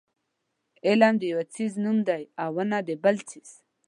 علم د یو څیز نوم دی او ونه د بل څیز.